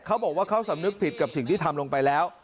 เขาบอกว่าเขาสำนึกผิดกับสิ่งที่ทำลงไปแล้ว